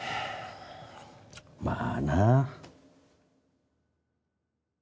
まあな。